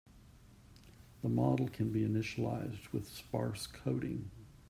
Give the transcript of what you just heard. The model can be initialized with sparse coding.